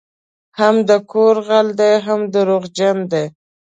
هم د کور غل دی هم دروغجن دی